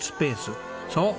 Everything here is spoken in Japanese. そう。